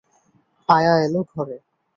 আয়া এল ঘরে।